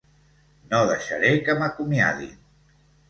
No deixaré que m'acomiadin.